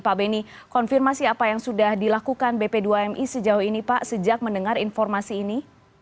pak beni konfirmasi apa yang sudah dilakukan bp dua mi sejauh ini pak sejak mendengar informasi ini